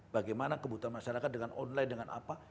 bagaimana kebutuhan masyarakat dengan online dengan apa